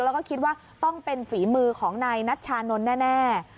แล้วก็คิดว่าต้องเป็นฝีมือของนายนัชชานนท์แน่